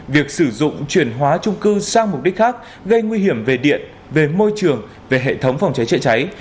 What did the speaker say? việc sử dụng chuyển hóa trung cư sang mục đích khác gây nguy hiểm về điện về môi trường về hệ thống phòng cháy chữa cháy